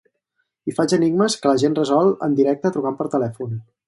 Hi faig enigmes que la gent resol en directe trucant per telèfon.